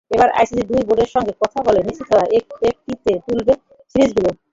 এরপর আইসিসি দুই বোর্ডের সঙ্গে কথা বলে নিশ্চিত হয়ে এফটিপিতে তুলবে সিরিজগুলো।